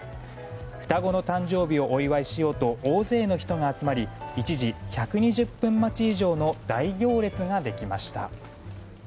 双子の誕生日をお祝いしようと大勢の人が集まり一時、１２０分待ち以上の大行列ができました。